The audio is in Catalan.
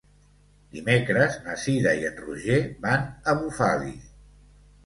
Dimecres na Cira i en Roger van a Bufali.